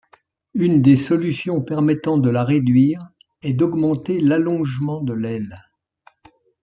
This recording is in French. Une des solutions permettant de la réduire est d'augmenter l'allongement de l'aile.